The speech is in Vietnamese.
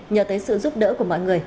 nhờ tới sự giúp đỡ của mọi người